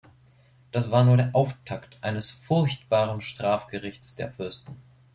Das war nur der Auftakt eines furchtbaren Strafgerichts der Fürsten.